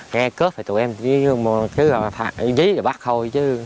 nghe cướp thì tụi em cứ dí rồi bắt thôi chứ